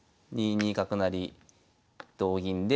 ２二角成同銀で。